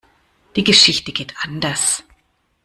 Die Geschichte geht anders.